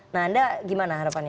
nah anda gimana harapannya